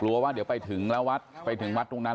ว่าเดี๋ยวไปถึงแล้ววัดไปถึงวัดตรงนั้น